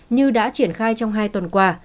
như đã triển khai trong hai tuần qua